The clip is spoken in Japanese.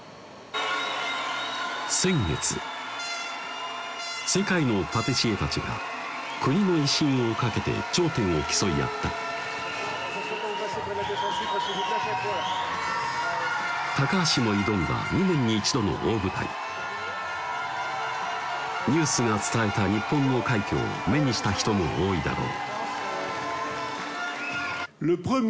先月世界のパティシエたちが国の威信を懸けて頂点を競い合った橋も挑んだ２年に一度の大舞台ニュースが伝えた日本の快挙を目にした人も多いだろう